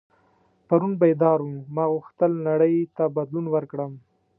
پرون بیدار وم ما غوښتل نړۍ ته بدلون ورکړم.